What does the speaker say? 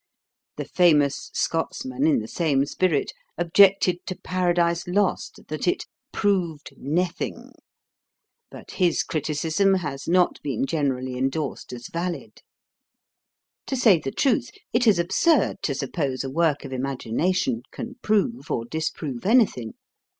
The famous Scotsman, in the same spirit, objected to Paradise Lost that it "proved naething": but his criticism has not been generally endorsed as valid. To say the truth, it is absurd to suppose a work of imagination can prove or disprove anything.